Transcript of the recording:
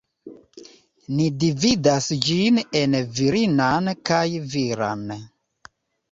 Ni dividas ĝin en virinan kaj viran.